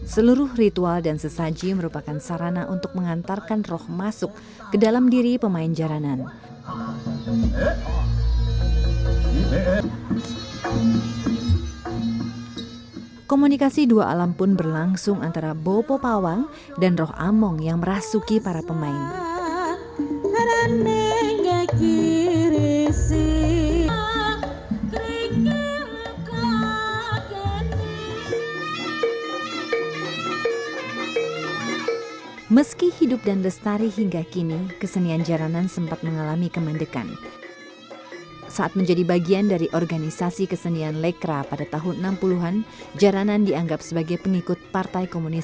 seluruh ritual dan sesaji merupakan sarana untuk mengantarkan roh masuk ke dalam diri pemain jalanan